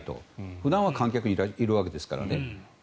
普段は観客がいるわけですからね。